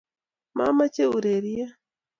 mameche ureryet